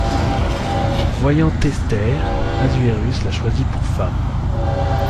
En voyant Esther, Assuérus la choisit pour femme.